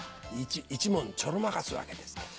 １文ちょろまかすわけです。